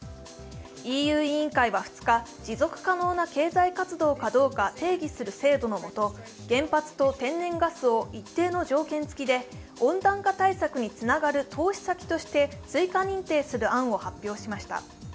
ＥＵ委員会は２日、持続可能な経済活動かどうか定義する制度のもと、原発と天然ガスを一定の条件つきで温暖化対策につながる投資先として追加認定する案を発表しました。